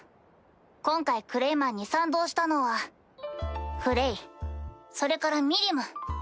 今回クレイマンに賛同したのはフレイそれからミリム。